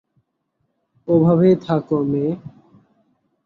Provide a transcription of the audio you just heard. ওভাবেই থাকো, মেয়ে।